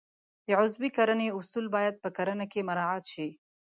د عضوي کرنې اصول باید په کرنه کې مراعات شي.